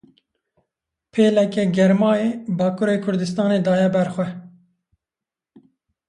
Pêleke germayê, Bakurê Kurdistanê daye berxwe.